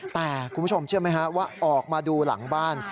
แต่คุณผู้ชมเชื่อไหมฮะว่าออกมาดูหลังบ้าน